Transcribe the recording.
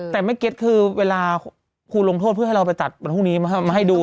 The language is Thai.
แต่แม่เก็ตคือเวลาครูลงโทษเพื่อให้เราไปจัดวันพรุ่งนี้มาให้ดู